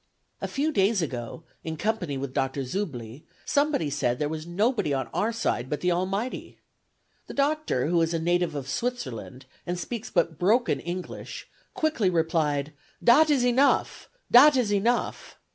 "A few days ago, in company with Dr. Zubly, somebody said there was nobody on our side but the Almighty. The Doctor, who is a native of Switzerland, and speaks but broken English, quickly replied, 'Dat is enough! Dat is enough!'